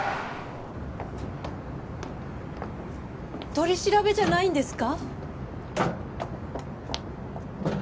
取り調べじゃないんですか？